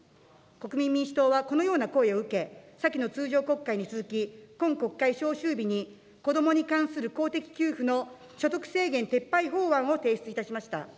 国民民主党は、このような声を受け、先の通常国会に続き、今国会召集日に、こどもに関する公的給付の所得制限撤廃法案を提出いたしました。